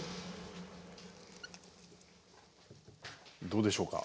どうでしょうか？